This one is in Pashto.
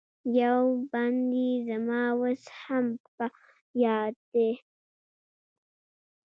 یو بند یې زما اوس هم په یاد دی.